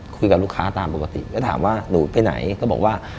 คุยกับลูกค้าตามปกติแล้วถามว่าหนูไปไหนก็บอกว่า